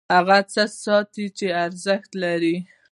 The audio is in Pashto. هغه څه ساتي چې ارزښت لري.